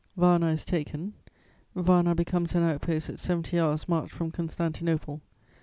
"Varna is taken, Varna becomes an outpost at seventy hours' march from Constantinople.